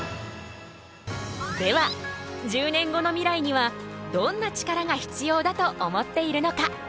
では１０年後のミライにはどんなチカラが必要だと思っているのか？